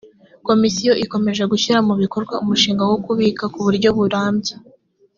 komisiyo ikomeje gushyira mu bikorwa umushinga wo kubika ku buryo burambye.